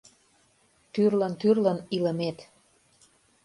Тӱрлын-тӱрлын илымет